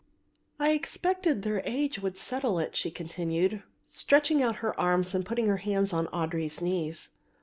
"I expected their age would settle it," she continued, stretching out her arms and putting her hands on Audry's knees.